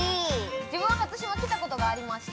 自分は、初島に来たことがありまして。